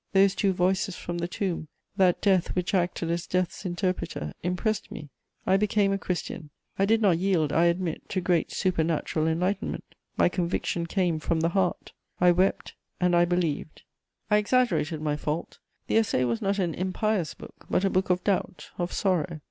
Those two voices from the tomb, that death which acted as death's interpreter impressed me. I became a Christian. I did not yield, I admit, to great supernatural enlightenment: my conviction came from the heart; I wept and I believed." * I exaggerated my fault: the Essai was not an impious book, but a book of doubt, of sorrow.